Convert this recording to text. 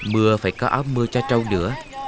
mưa phải có áp mưa cho trâu nữa